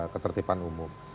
ketertiban umum ini